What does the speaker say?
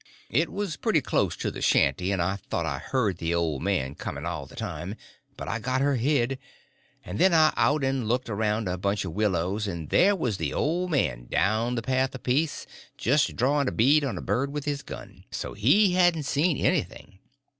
It was pretty close to the shanty, and I thought I heard the old man coming all the time; but I got her hid; and then I out and looked around a bunch of willows, and there was the old man down the path a piece just drawing a bead on a bird with his gun. So he hadn't seen anything.